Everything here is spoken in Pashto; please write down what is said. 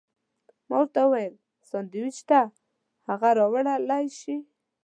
ما ورته وویل: سانډویچ شته، هغه راوړلی شې؟